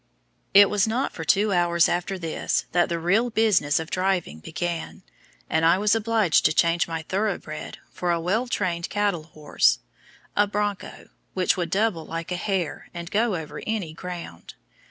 It was not for two hours after this that the real business of driving began, and I was obliged to change my thoroughbred for a well trained cattle horse a bronco, which could double like a hare, and go over any ground.